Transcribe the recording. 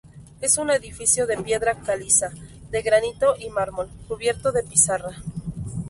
Es un edificio de piedra caliza, de granito y mármol, cubierto de pizarra.